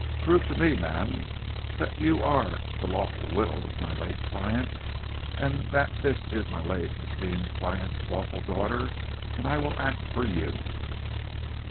Prove to me, ma'am, that you are the lawful widow of my late client, and that this is my late esteemed client's lawful daughter, and I will act for you."